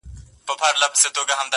قاسم یاره چي سپېڅلی مي وجدان سي,